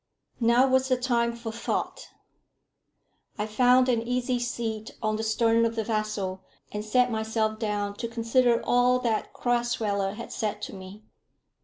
Now was the time for thought. I found an easy seat on the stern of the vessel, and sat myself down to consider all that Crasweller had said to me.